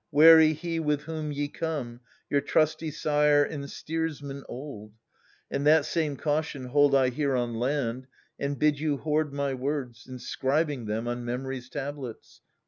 Children, be wary — wary he with whom >^ Ye come, your trusty sire and steersman old : p^oo And that same caution hold I here on land. And bid you hoard my words, inscribing them On memory's tablets.